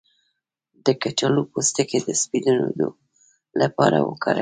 د کچالو پوستکی د سپینیدو لپاره وکاروئ